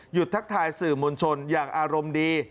ทักทายสื่อมวลชนอย่างอารมณ์ดี